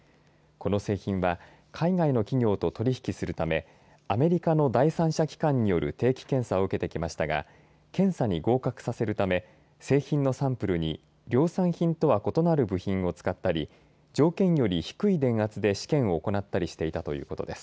この製品は海外の企業と取り引きするため、アメリカの第三者機関による定期検査を受けてきましたが検査に合格させるため製品のサンプルに量産品とは異なる部品を使ったり条件より低い電圧で試験を行ったりしていたということです。